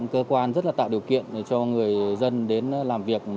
cơ quan rất là tạo điều kiện cho người dân đến làm việc